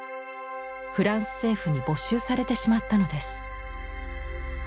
フランス政府に没収されてしまったのです。